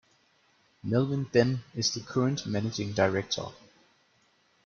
Melvin Benn is the current managing director.